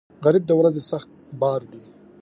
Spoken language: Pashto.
غریب د ورځو سخت بار وړي